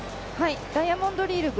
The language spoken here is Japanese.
ダイヤモンドリーグ